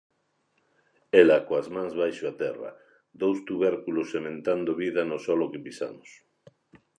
Ela coas mans baixo a terra, dous tubérculos sementando vida no solo que pisamos.